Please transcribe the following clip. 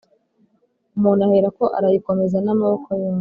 umuntu aherako arayikomeza n'amaboko yombi